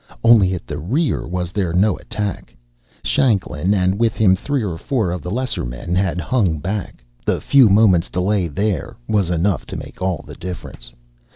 Only at the rear was there no attack Shanklin, and with him three or four of the lesser men, had hung back. The few moments' delay there was enough to make all the difference.